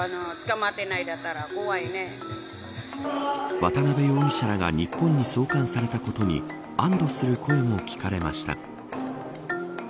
渡辺容疑者らが日本に送還されたことに安堵する声も聞かれました。